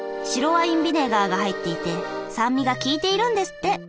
白ワインビネガーが入っていて酸味がきいているんですって。